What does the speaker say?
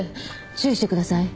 注意してください。